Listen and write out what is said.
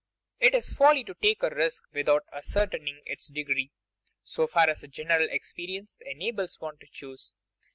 It is folly to take a risk without ascertaining its degree, so far as general experience enables one to choose.